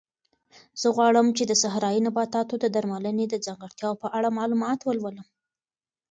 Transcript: زه غواړم چې د صحرایي نباتاتو د درملنې د ځانګړتیاوو په اړه معلومات ولولم.